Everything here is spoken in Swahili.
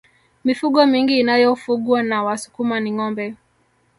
mifugo mingi inayofugwa na wasukuma ni ngombe